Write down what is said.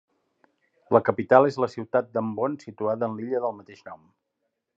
La capital és la ciutat d'Ambon situada en l'illa del mateix nom.